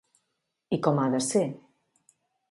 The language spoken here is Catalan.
I com ha de ser?